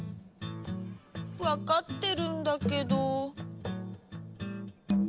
わかってるんだけど。